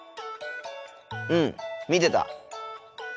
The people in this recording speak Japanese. うん見てた。